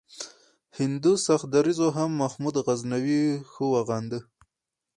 هندو سخت دریځو هم محمود غزنوي ښه وغنده.